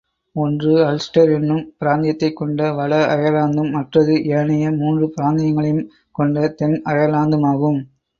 ஒன்று அல்ஸ்டர் என்னும் பிராந்தியத்தைக் கொண்ட வட அயர்லாந்தும் மற்றது ஏனைய மூன்று பிராந்தியங்களையும் கொண்ட தென் அயர்லாந்துமாகும்.